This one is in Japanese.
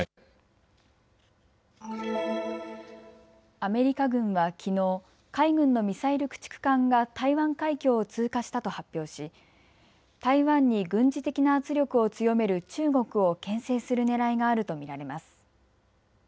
アメリカ軍はきのう海軍のミサイル駆逐艦が台湾海峡を通過したと発表し台湾に軍事的な圧力を強める中国をけん制するねらいがあると見られます。